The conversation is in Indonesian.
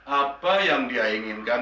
apa yang dia inginkan